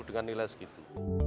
dengan nilai segitu